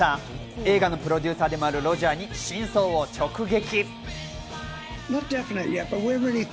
映画のプロデューサーでもあるロジャーに、真相を直撃。